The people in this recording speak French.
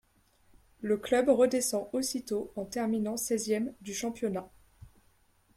Le club redescend aussitôt en terminant seizième du championnat.